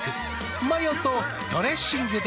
マヨとドレッシングで。